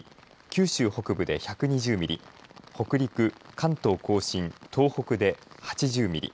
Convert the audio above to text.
九州北部で１２０ミリ北陸、関東甲信、東北で８０ミリ